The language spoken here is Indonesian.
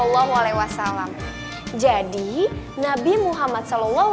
ustazah akan menceritakan kisah nabi muhammad saw